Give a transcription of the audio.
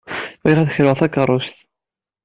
Bɣiɣ ad d-kruɣ takeṛṛust.